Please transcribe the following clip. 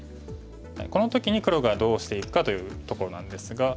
この時に黒がどうしていくかというところなんですが。